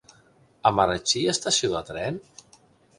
A Marratxí hi ha estació de tren?